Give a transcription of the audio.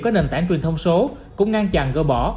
có nền tảng truyền thông số cũng ngăn chặn gỡ bỏ